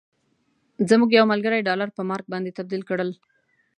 زموږ یو ملګري ډالر په مارک باندې تبدیل کړل.